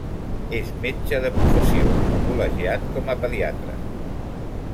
És metge de professió, col·legiat com a pediatre.